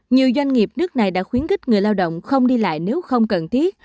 nhiều doanh nghiệp nước này đã khuyến khích người lao động không đi lại nếu không cần thiết